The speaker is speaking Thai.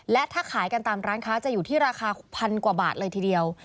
และถ้าขายกันตามร้านค้าจะอยู่ที่ราคาพันกว่าบาทเลยทีเดียว